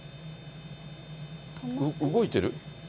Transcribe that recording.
動いてる？